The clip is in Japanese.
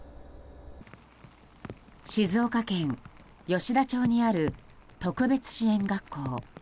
静岡県吉田町にある特別支援学校。